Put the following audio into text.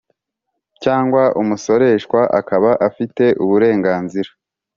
Cyangwa umusoreshwa akaba afite uburenganzira